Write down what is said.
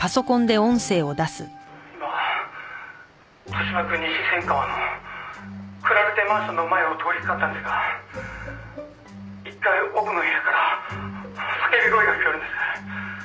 「今豊島区西千川のクラルテマンションの前を通りかかったんですが１階奥の部屋から叫び声が聞こえるんです」